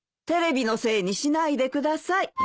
テレビのせいにしないでください。